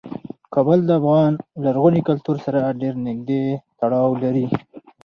کابل د افغان لرغوني کلتور سره ډیر نږدې تړاو لري.